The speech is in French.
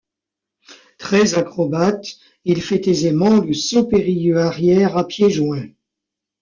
Très acrobate, il fait aisément le saut périlleux arrière à pieds joints.